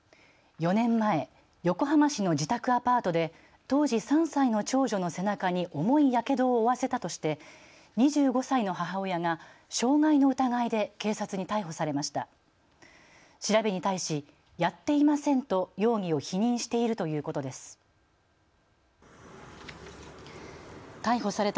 ４年前、横浜市の自宅アパートで当時３歳の長女の背中に重いやけどを負わせたとして２５歳の母親が傷害の疑いで警察に逮捕されました。